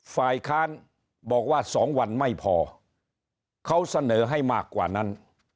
ฝ่ายค้านบอกว่า๒วันไม่พอเขาเสนอให้มากกว่านั้น